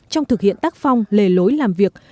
trong thực hiện tác phong lề lối làm việc